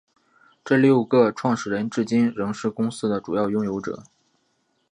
这六个创始人至今仍是公司的主要拥有者。